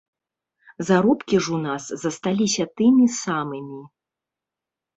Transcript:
Заробкі ж у нас засталіся тымі самымі.